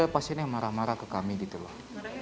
pasiennya marah marah ke kami gitu loh